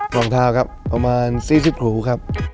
รองเท้าครับประมาณ๔๐หูครับ